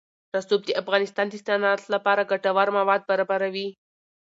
رسوب د افغانستان د صنعت لپاره ګټور مواد برابروي.